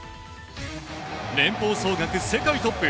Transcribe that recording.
年俸総額世界トップ